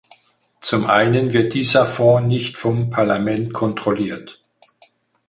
Zum einen wird dieser Fonds nicht vom Parlament kontrolliert.